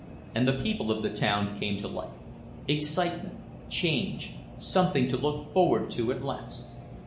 And the people of the town came to life... excitement, change, something to look forward to at last!